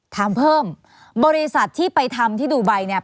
ถามเพิ่มบริษัทที่ไปทำที่ดูไบเนี่ย